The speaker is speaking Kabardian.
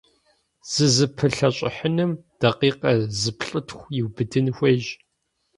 ЗызыпылъэщӀыхьыным дакъикъэ зыплӏытху иубыдын хуейщ.